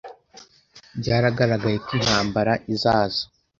Byaragaragaye ko intambara izaza.